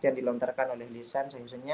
yang dilontarkan oleh lisan